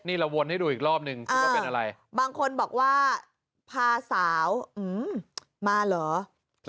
นี่เราวนให้ดูอีกรอบนึงคิดว่าเป็นอะไรบางคนบอกว่าพาสาวมาเหรอ